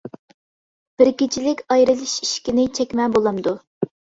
بىر كېچىلىك ئايرىلىش ئىشىكىنى چەكمە بولامدۇ.